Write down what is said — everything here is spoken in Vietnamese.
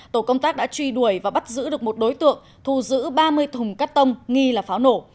tổ công tác đã truy đuổi và bắt giữ được một đối tượng thu giữ ba mươi thùng cắt tông nghi là pháo nổ